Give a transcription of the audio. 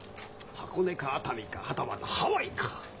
箱根か熱海かはたまたハワイか。